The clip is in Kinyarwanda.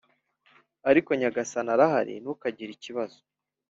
ariko nyagasani arahari ntukagire ikibazo